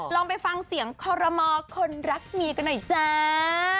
ลองไปฟังเสียงคอรมอคนรักเมียกันหน่อยจ้า